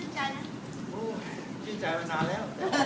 ชื่นใจมานานแล้ว